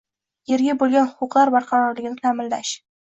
yerga bo‘lgan huquqlar barqarorligini ta’minlash